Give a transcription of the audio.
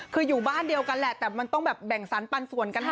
คืออยู่บ้านเดียวกันแหละแต่มันต้องแบบแบ่งสรรปันส่วนกัน